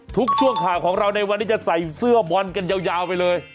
ทุกช่วงข่าวของเราในวันนี้จะใส่เสื้อบอลกันยาวไปเลย